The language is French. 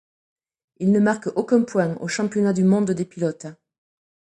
Il ne marque aucun point au championnat du monde des pilotes.